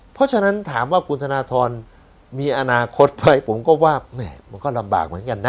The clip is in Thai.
เพราะฉะนั้นถามว่าคุณธนทรมีอนาคตไปผมก็ว่ามันก็ลำบากเหมือนกันนะ